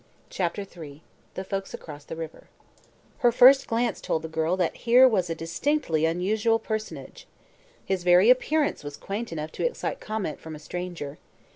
CHAPTER III THE FOLKS ACROSS THE RIVER Her first glance told the girl that here was a distinctly unusual personage. His very appearance was quaint enough to excite comment from a stranger.